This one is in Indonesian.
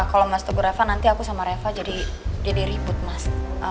kalau mas tegur reva nanti aku sama reva jadi ribut mas